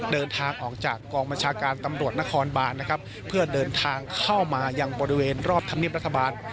เดินทางออกจากกองบัญชาการตำรวจนครบานนะครับเพื่อเดินทางเข้ามายังบริเวณรอบธรรมเนียบรัฐบาล